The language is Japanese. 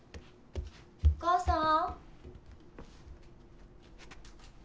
お母さん？